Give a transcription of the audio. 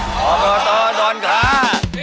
ขอบคุณครับดอนค่า